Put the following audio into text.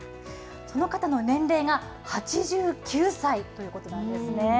その方の年齢が８９歳ということなんですね。